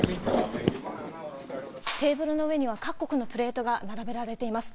テーブルの上には各国のプレートが並べられています。